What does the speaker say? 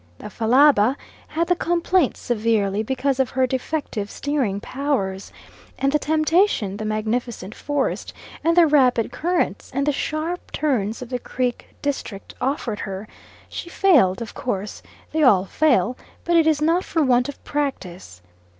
The Fallaba had the complaint severely, because of her defective steering powers, and the temptation the magnificent forest, and the rapid currents, and the sharp turns of the creek district, offered her; she failed, of course they all fail but it is not for want of practice.